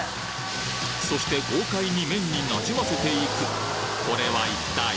そして豪快に麺に馴染ませていくこれは一体？